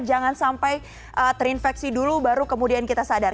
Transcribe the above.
jangan sampai terinfeksi dulu baru kemudian kita sadar